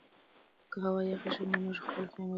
که هوا یخه شي نو موږ خپلو خیمو ته ځو.